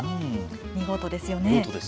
見事ですよね。